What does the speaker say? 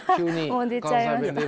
もう出ちゃいました。